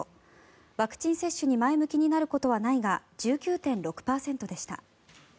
ワクチン接種に前向きになることはないが１９．６％でした。